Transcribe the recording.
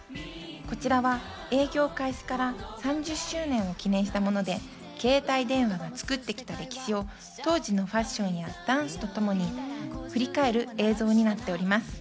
こちらは営業開始から３０周年を記念したもので、携帯電話が作ってきた歴史を当時のファッションやダンスとともに振り返る映像になっております。